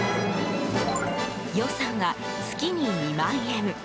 予算は月に２万円。